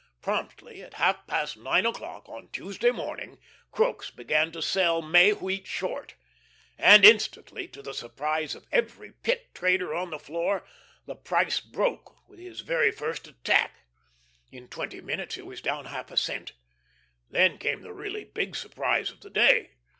Promptly at half past nine o'clock on Tuesday morning Crookes began to sell May wheat short, and instantly, to the surprise of every Pit trader on the floor, the price broke with his very first attack. In twenty minutes it was down half a cent. Then came the really big surprise of the day.